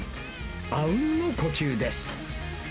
あうんの呼吸です。